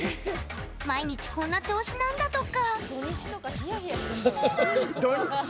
毎日こんな調子なんだとか。